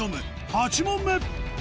８問目